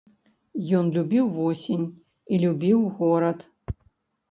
Ён любіў восень і любіў горад.